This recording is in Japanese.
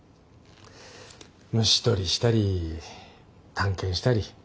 虫捕りしたり探検したり。